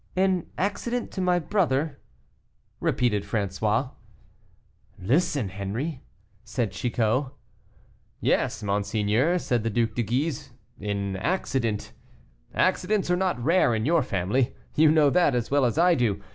"An accident to my brother," repeated François. "Listen, Henri," said Chicot. "Yes, monseigneur," said the Duc de Guise, "an accident. Accidents are not rare in your family; you know that, as well as I do.